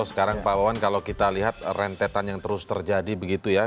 sekarang pak wawan kalau kita lihat rentetan yang terus terjadi begitu ya